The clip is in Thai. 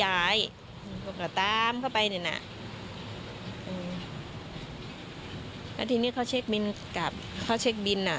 อะไรมีที่ทำให้อยู่ดี